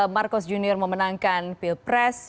marcos junior memenangkan pilpres